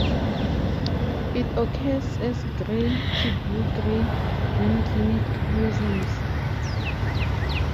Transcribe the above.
It occurs as gray to blue-gray monoclinic prisms.